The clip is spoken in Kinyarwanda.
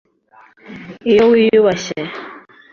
iyo wiyubashye